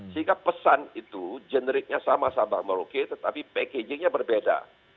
sehingga pesan itu generiknya sama sama merauke tetapi packagingnya berbeda